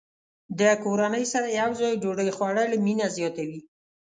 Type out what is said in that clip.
د کورنۍ سره یوځای ډوډۍ خوړل مینه زیاته وي.